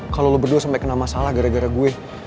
kalo lo berdua sampe kena masalah gara gara gue